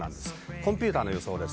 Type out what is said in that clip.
コンピューターの予想です。